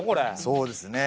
そうですね。